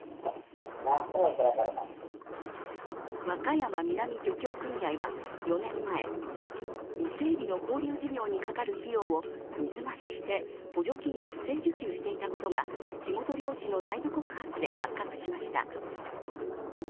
和歌山南漁協組合は４年前、伊勢えびの放流事業にかかる費用を水増しして補助金を不正受給していたことが地元漁師の内部告発で発覚しました。